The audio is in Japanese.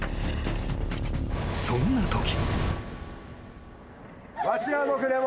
［そんなとき］